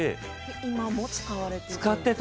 今も使われている？